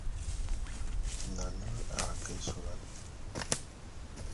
Nane a ke ésulán.